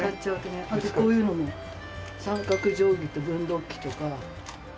あとこういうのも三角定規と分度器とかこれも全部。